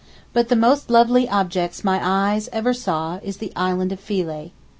But the most lovely object my eyes ever saw is the island of Philæ.